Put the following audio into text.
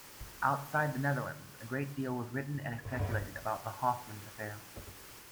Outside the Netherlands, a great deal was written and speculated about the Hofmans affair.